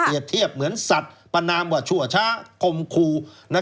เอียดเทียบเหมือนสัตว์ปะนามหวะช่วงช้าคมคู่